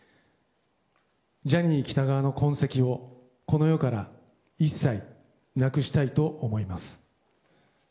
ジャニー喜多川の痕跡をこの世から一切なくしたいと思います。